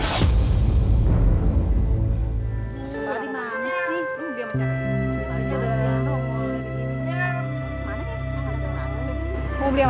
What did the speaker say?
oh jadi sakit being